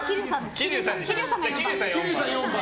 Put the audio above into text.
桐生さんが４番。